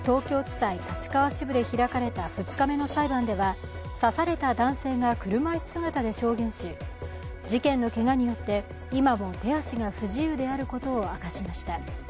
２日目の裁判では刺された男性が車椅子姿で証言し、事件のけがによって今も手足が不自由であることを明かしました。